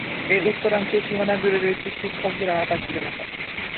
এর উত্তরাংশের সীমানা জুড়ে রয়েছে শিক্ষকদের আবাসিক এলাকা।